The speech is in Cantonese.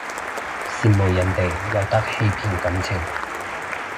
羨慕人哋有得欺騙感情